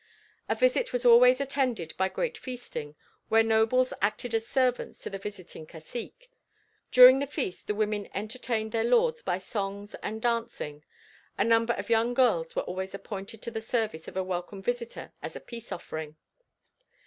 A visit was always attended by great feasting, where nobles acted as servants to the visiting cacique, during the feast the women entertained their lords by songs and dancing; a number of young girls were always appointed to the service of a welcome visitor as a peace offering.